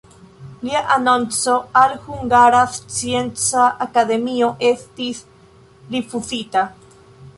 Lia anonco al Hungara Scienca Akademio estis rifuzita.